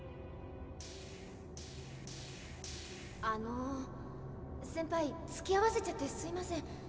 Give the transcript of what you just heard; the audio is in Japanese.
あのセンパイつきあわせちゃってすいません。